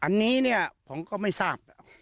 อันนี้เนี่ยผมก็ไม่ทราบ